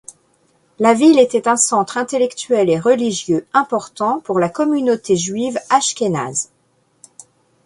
La ville était un centre intellectuel et religieux important pour la communauté juive ashkénaze.